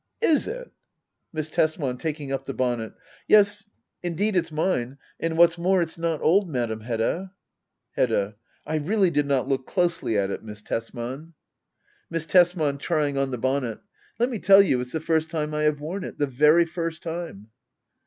Is it! Miss Tesman. [Taking up the bonnet.] Yes, indeed it's mine. And, what's more, it's not old. Madam Hedda. Hedda. I really did not look closely at it. Miss Tesman. Digitized by Google ACT I.] HEDDA OABLER. S5 Miss Tesman. [Trying on the bonnet,] Let me tell you it's the first time I have worn it — ^the very first time.